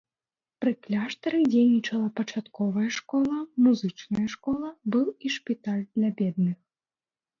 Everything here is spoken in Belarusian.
Пры кляштары дзейнічала пачатковая школа, музычная школа, быў і шпіталь для бедных.